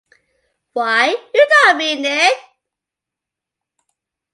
Why, you don't mean it!